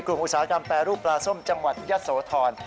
อุตสาหกรรมแปรรูปปลาส้มจังหวัดยะโสธร